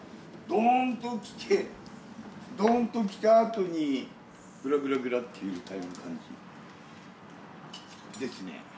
ドーンと来て、ドーンと来たあとにグラグラグラッと揺れた感じですね。